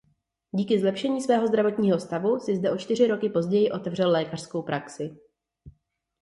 Díky zlepšení svého zdravotního stavu si zde o čtyři roky později otevřel lékařskou praxi.